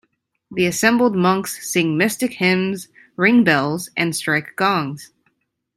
The assembled monks sing mystic hymns, ring bells, and strike gongs.